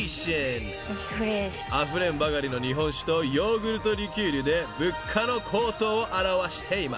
［あふれんばかりの日本酒とヨーグルトリキュールで物価の高騰を表しています］